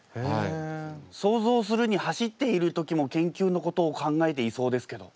想像するに走っている時も研究のことを考えていそうですけど。